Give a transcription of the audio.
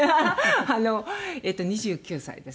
あの２９歳です。